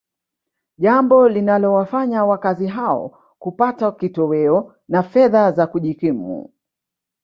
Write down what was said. jambo linalowafanya wakazi hao kupata kitoweo na fedha za kujikimu